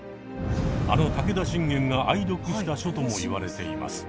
あの武田信玄が愛読した書とも言われています。